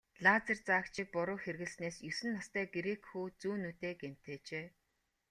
Лазер заагчийг буруу хэрэглэснээс есөн настай грек хүү зүүн нүдээ гэмтээжээ.